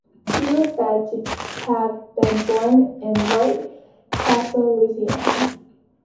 He was said to have been born in White Castle, Louisiana.